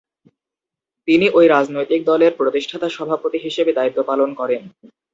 তিনি ঐ রাজনৈতিক দলের প্রতিষ্ঠাতা সভাপতি হিসেবে দায়িত্ব পালন করেন।